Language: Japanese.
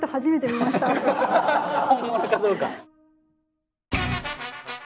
本物かどうか。